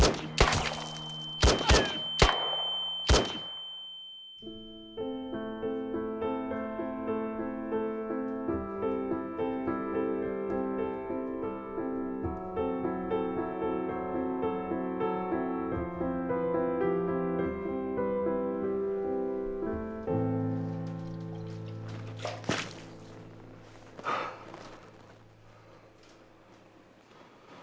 เสียด้วย